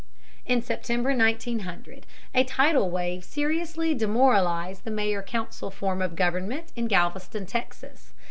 In September, 1900, a tidal wave seriously demoralized the mayor council form of government in Galveston, Texas.